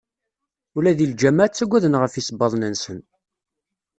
Ula deg lǧameɛ ttagaden ɣef yisebbaḍen-nsen.